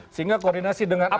sehingga koordinasi dengan angkatan